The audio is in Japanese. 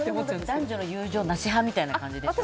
男女の友情なし派みたいな感じですか。